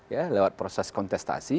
ya lewat proses kontestasi